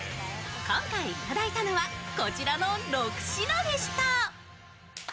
今回いただいたのは、こちらの６品でした。